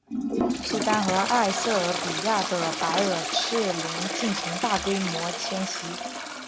苏丹和埃塞俄比亚的白耳赤羚进行大规模迁徙。